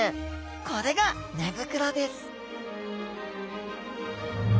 これが寝袋です